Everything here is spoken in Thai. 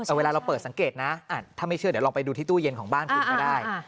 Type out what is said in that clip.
แต่เวลาเราเปิดสังเกตนะถ้าไม่เชื่อเดี๋ยวลองไปดูที่ตู้เย็นของบ้านคุณก็ได้